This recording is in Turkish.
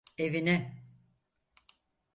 Evine.